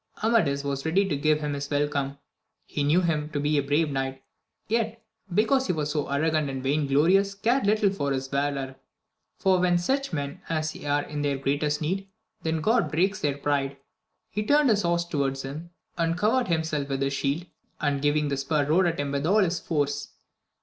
Amadis was ready to give him his welcome ; he knew him to be a brave knight, yet, because he was so arrogant and vain glorious, cared little for his valour ; for when such men as he are in their greatest need, then God breaks their pride; he turned his horse toward him, and covered himself with hi% shield, and giving the spur rode at him with all his 182 AMADIS OF GAUL. force.